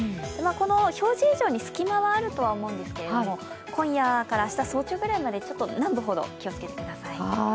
この表示以上に隙間はあると思うんですけれども、今夜から、明日早朝くらいまで、南部ほど気をつけてください。